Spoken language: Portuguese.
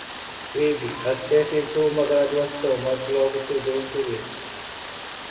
Ele até tentou uma graduação, mas logo perdeu o interesse.